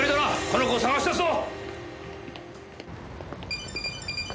この子を捜し出すぞ。